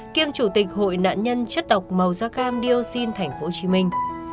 kiêm chủ tịch hội nạn nhân chất độc màu da cam dioxin thành phố hồ chí minh